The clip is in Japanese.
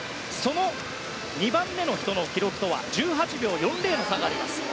その２番目の記録とは１８秒４０の差があります。